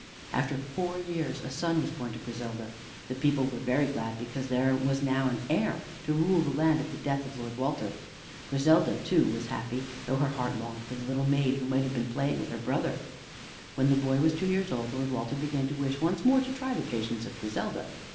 After four years a son was born to Griselda. The people were very glad because there was now an heir to rule the land at the death of Lord Walter. Griselda too was happy, though her heart longed for the little maid who might have been playing with her brother. When the boy was two years old, Lord Walter began to wish once more to try the patience of Griselda.